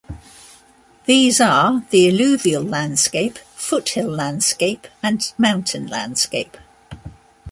These are the: alluvial landscape, foothill landscape and mountain landscape.